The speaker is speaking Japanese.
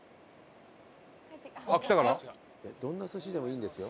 どんな寿司でもいいんですよ。